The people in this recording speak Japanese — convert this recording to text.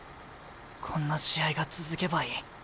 こんな試合が続けばいい。